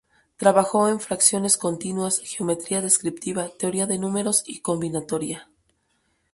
Trabajó en fracciones continuas, geometría descriptiva, teoría de números y combinatoria.